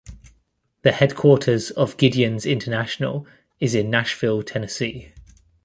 The headquarters of Gideons International is in Nashville, Tennessee.